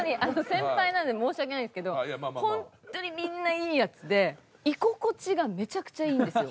先輩なんで申し訳ないんですけど本当にみんないいヤツで居心地がめちゃくちゃいいんですよ。